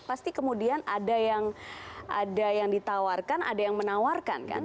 pasti kemudian ada yang ditawarkan ada yang menawarkan kan